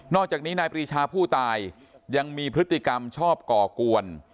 อกจากนี้นายปรีชาผู้ตายยังมีพฤติกรรมชอบก่อกวน